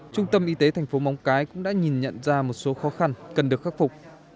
trung tâm y tế thành phố móng cái cũng đã nhìn nhận ra một số khó khăn cần được khắc phục